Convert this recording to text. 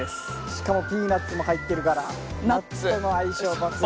しかもピーナツも入ってるからナッツとの相性抜群。